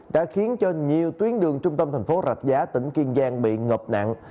đã khiến cho nhiều tuyến đường trung tâm thành phố rạch giá tỉnh kiên giang bị ngập nặng